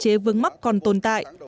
của các cổ phần hóa còn tồn tại